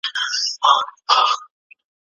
که ماشوم ته تشویق ورکړل شي نو هغه پرمختګ کوي.